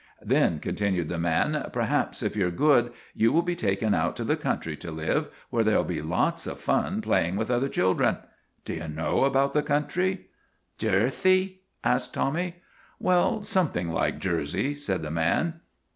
" Then," continued the man, " perhaps if you 're good you will be taken out to the country to live, where there '11 be lots of fun playing with other chil dren. Do you know about the country ?:" Jerthey ?" asked Tommy. " Well, something like Jersey," said the man.